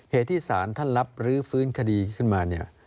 เหตุที่ศาลท่านรับรื้อฟื้นคดีขึ้นมาเนี่ย